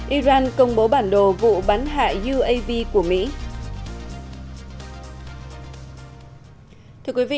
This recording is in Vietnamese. iran công bố bản đồ vụ bắn hại uav của mỹ